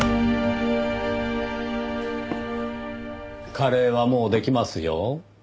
カレーはもうできますよ。